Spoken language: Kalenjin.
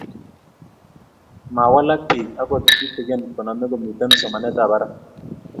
Mawalaka biik akot kitegen koname ko mito somanetab barak